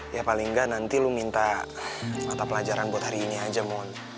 ya paling nggak nanti lo minta mata pelajaran buat hari ini aja mohon